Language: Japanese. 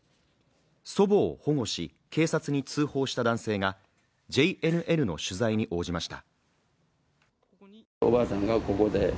祖母を保護し、警察に通報した男性がＪＮＮの取材に応じました。